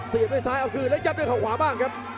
ด้วยซ้ายเอาคืนแล้วยัดด้วยเขาขวาบ้างครับ